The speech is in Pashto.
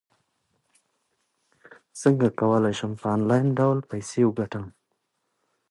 څنګه کولی شم په انلاین ډول پیسې وګټم